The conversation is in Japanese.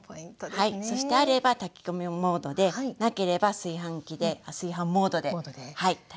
そしてあれば炊き込みモードでなければ炊飯器であ炊飯モードで炊いて下さい。